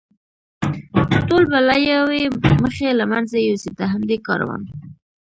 ټول به له یوې مخې له منځه یوسي، د همدې کاروان.